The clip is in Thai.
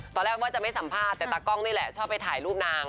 ตอนแรกว่าจะไม่สัมภาษณ์แต่ตากล้องนี่แหละชอบไปถ่ายรูปนาง